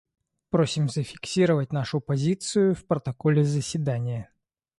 Просим зафиксировать нашу позицию в протоколе заседания.